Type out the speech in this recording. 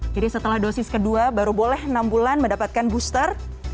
jadi setelah dosis ke dua baru boleh enam bulan mendapatkan booster